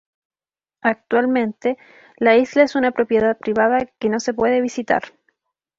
Actualmente, la isla es una propiedad privada que no se puede visitar.